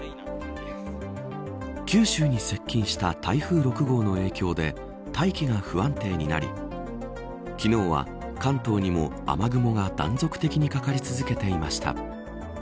九州に接近した台風６号の影響で大気が不安定になり昨日は関東にも雨雲が断続的にかかり続けていました。